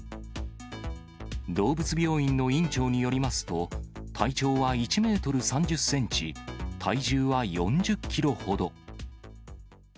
動物病院の院長によりますと、体長は１メートル３０センチ、体重は４０キロほど。